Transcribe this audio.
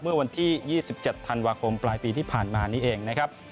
เมื่อวันที่๒๗ธันวาคมปลายปีที่ผ่านมานี้เองนะครับ